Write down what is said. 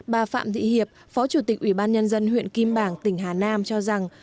bà phạm thị hiệp phó chủ tịch ủy ban nhân dân huyện kim bảng tỉnh hà nam cho rằng